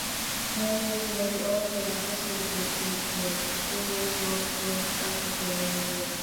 Fleischman was also associated with the English rock group Asia for a short time.